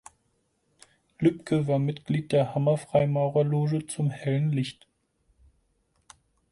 Lübcke war Mitglied der Hammer Freimaurerloge "Zum hellen Licht.